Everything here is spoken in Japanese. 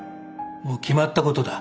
もう決まったことだ。